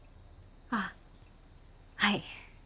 あっはい